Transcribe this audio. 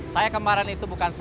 saya kemarin itu bukan